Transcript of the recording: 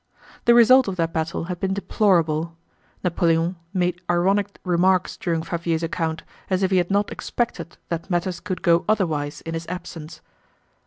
The result of that battle had been deplorable. Napoleon made ironic remarks during Fabvier's account, as if he had not expected that matters could go otherwise in his absence.